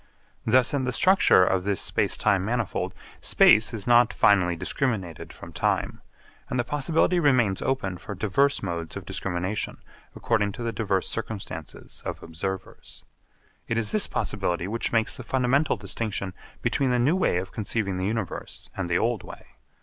Thus in the structure of this space time manifold space is not finally discriminated from time, and the possibility remains open for diverse modes of discrimination according to the diverse circumstances of observers. It is this possibility which makes the fundamental distinction between the new way of conceiving the universe and the old way.